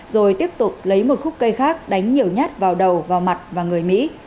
rồi tiếp tục lấy một khúc cây khác đánh nhiều nhát vào đầu vào mặt và người mỹ